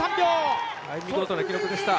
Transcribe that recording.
見事な記録でした。